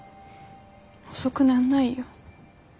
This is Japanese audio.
遅くなんないよ